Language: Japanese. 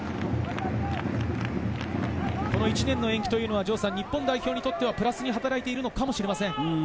この１年の延期は日本代表にとってはプラスに働いているのかもしれません。